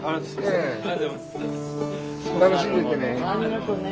ありがとうね。